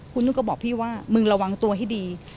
ก็บอกพี่ว่ามึงระวังตัวให้ดี